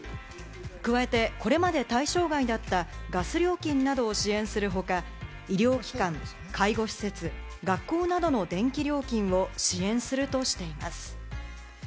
加えて、これまで対象外だったガス料金などを支援するほか、医療機関、介護施設、学校などの電気料金を支援するとしています。